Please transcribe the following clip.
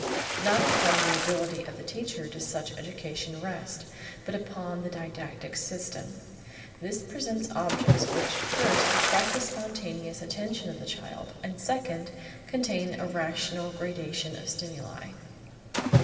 Not upon the ability of the teacher does such education rest, but upon the didactic system. This presents objects which, first, attract the spontaneous attention of the child, and, second, contain a rational gradation of stimuli.